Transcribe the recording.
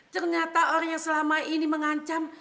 ternyata orang yang selama ini mengancam